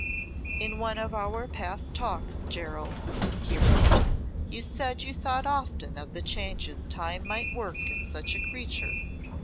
"In one of our past talks, Gerald," he wrote, "you said you thought often of the changes time might work in such a creature.